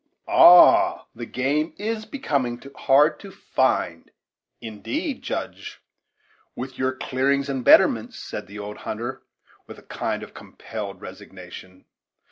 "Ah! The game is becoming hard to find, indeed, Judge, with your clearings and betterments," said the old hunter, with a kind of compelled resignation.